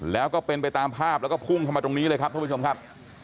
แล้วก็เป็นไปตามภาพแล้วก็พุ่งเข้ามาตรงนี้เลยครับท่านผู้ชมครับ